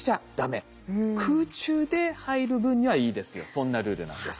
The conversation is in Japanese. そんなルールなんです。